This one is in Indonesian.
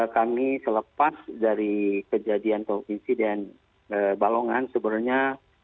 kami selepas dari kejadian atau insiden balongan sebenarnya